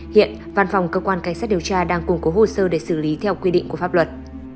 hiện văn phòng cơ quan cảnh sát điều tra đang củng cố hồ sơ để xử lý theo quy định của pháp luật